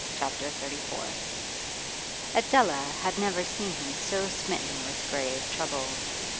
CHAPTER XXXIV Adela bad never seen him so smitten with grave trouble.